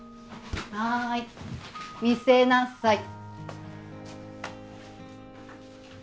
はい見せなさい。